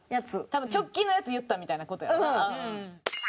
多分直近のやつ言ったみたいな事やろ？